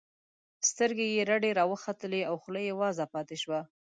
سترګې یې رډې راوختلې او خوله یې وازه پاتې شوه